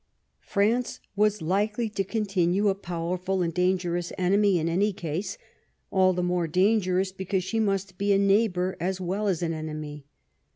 France was likely to continue a powerful »ind dangerous enemy in any case, all the more danger ous because she must be a neighbor as well as an enemy.